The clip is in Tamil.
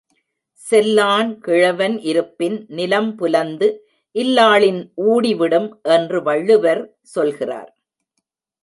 செல்லான் கிழவன் இருப்பின் நிலம்புலந்து இல்லாளின் ஊடி விடும் என்று வள்ளுவர் சொல்கிறார்.